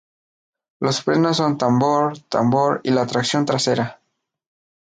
Los frenos son Tambor-Tambor y la tracción trasera.